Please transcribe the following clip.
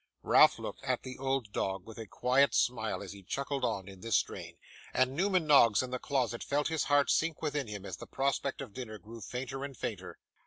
Ralph looked at the old dog with a quiet smile as he chuckled on in this strain, and Newman Noggs in the closet felt his heart sink within him as the prospect of dinner grew fainter and fainter.